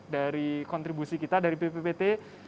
dari kontribusi kita dari bppt